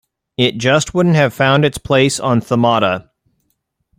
It just wouldn't have found its place on Themata.